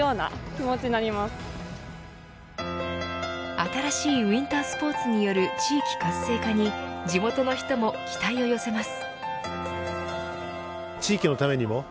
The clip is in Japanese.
新しいウインタースポーツによる地域活性化に地元の人も期待を寄せます。